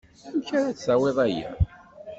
Amek ara d-tawiḍ aya?